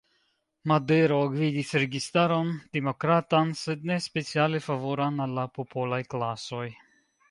Madero gvidis registaron demokratan, sed ne speciale favoran al la popolaj klasoj.